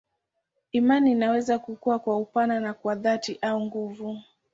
Imani inaweza kukua kwa upana na kwa dhati au nguvu.